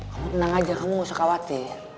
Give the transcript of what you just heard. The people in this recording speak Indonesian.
kamu tenang aja kamu gak usah khawatir